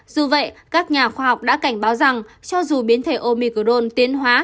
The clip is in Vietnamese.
dù vậy các nhà khoa học đã cảnh báo rằng cho dù biến thể omicron tiến hóa